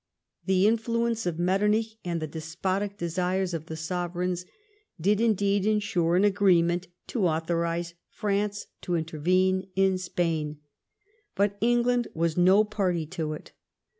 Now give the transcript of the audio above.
The influence of ]\Ietternich and the despotic desires of the sovereigns did indeed ensure an agreement to authorise France to intervene in Spain, but England was no party to it.